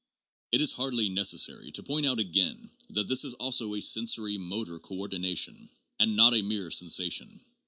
It is hardly necessary to point out again that this is also a sensori motor coordination and not a mere sen sation.